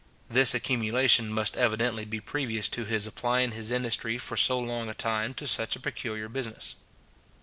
This accumulation must evidently be previous to his applying his industry for so long a time to such a peculiar business.